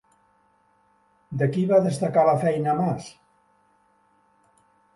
De qui va desatacar la feina Mas?